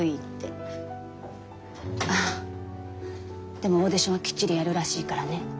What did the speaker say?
でもオーディションはきっちりやるらしいからね？